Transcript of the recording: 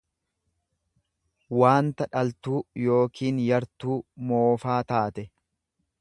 waanta dhaltuu yookiin yartuu moofaa taate.